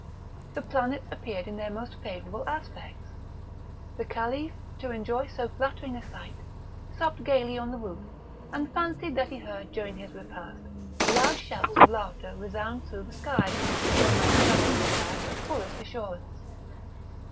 The planets appeared in their most favourable aspects. The Caliph, to enjoy so flattering a sight, supped gaily on the roof, and fancied that he heard during his repast loud shouts of laughter resound through the sky, in a manner that inspired the fullest assurance.